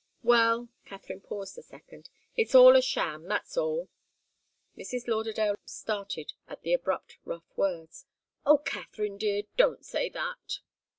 "Well " Katharine paused a second. "It's all a sham. That's all." Mrs. Lauderdale started at the abrupt, rough words. "Oh, Katharine, dear, don't say that!"